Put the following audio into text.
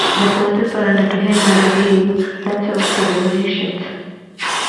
The soldiers surrender to him and reveal themselves to be musicians.